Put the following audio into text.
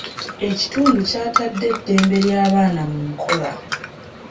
Ekitundu kyatadde eddembe ly'abaana mu nkola.